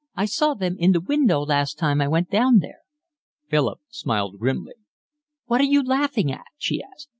I saw them in the window last time I went down there." Philip smiled grimly. "What are you laughing at?" she asked.